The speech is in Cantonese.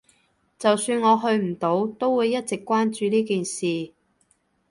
就算我去唔到，都會一直關注呢件事